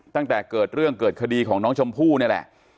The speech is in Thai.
ตั้งแต่เกิดเรื่องเกิดคดีของน้องชมพู่นี่แหละ